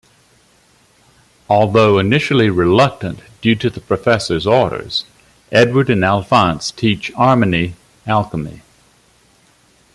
Although initially reluctant due to the Professor's orders, Edward and Alphonse teach Armony alchemy.